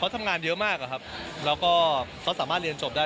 ทำงานเยอะมากอะครับแล้วก็เขาสามารถเรียนจบได้